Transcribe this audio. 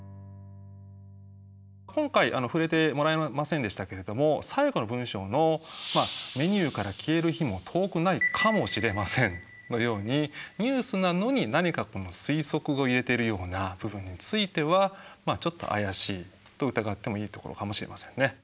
今回触れてもらえませんでしたけれども最後の文章の「メニューから消える日も遠くないかもしれません」のようにニュースなのに何かこの推測を入れているような部分についてはちょっと怪しいと疑ってもいいところかもしれませんね。